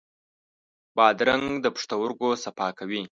بادرنګ د پښتورګو صفا کوي.